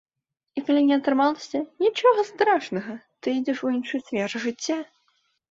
І калі не атрымалася, нічога страшнага, ты ідзеш у іншыя сферы жыцця.